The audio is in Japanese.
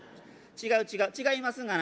違う違う違いますがな。